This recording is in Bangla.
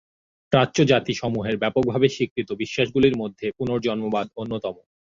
প্রাচ্য জাতি- সমূহের ব্যাপকভাবে স্বীকৃত বিশ্বাসগুলির মধ্যে পুনর্জন্মবাদ অন্যতম।